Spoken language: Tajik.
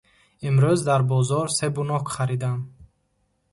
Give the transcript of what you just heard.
Имрӯз дар бозор себу нок харидам.